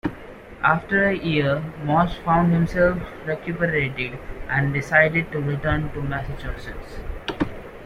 After a year, Morse found himself recuperated, and decided to return to Massachusetts.